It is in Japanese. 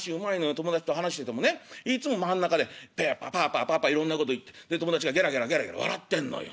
友達と話しててもねいつも真ん中でパーパーパーパーいろんなこと言って友達がゲラゲラゲラゲラ笑ってんのよ。